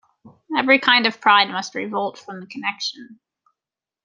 Every kind of pride must revolt from the connection.